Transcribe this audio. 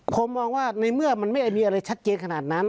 ผมมองว่าในเมื่อมันไม่ได้มีอะไรชัดเจนขนาดนั้น